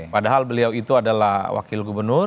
padahal beliau itu adalah wakil gubernur